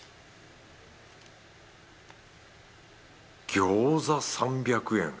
餃子３００円